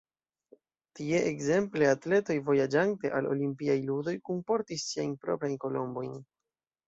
Tie ekzemple atletoj vojaĝante al olimpiaj ludoj kunportis siajn proprajn kolombojn.